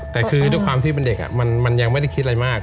แต่คือด้วยความที่เป็นเด็กมันยังไม่ได้คิดอะไรมาก